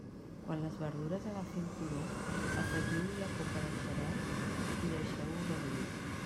Quan les verdures agafin color, afegiu-hi la copa de xerès i deixeu-ho reduir.